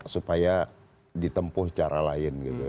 supaya ditempuh cara lain gitu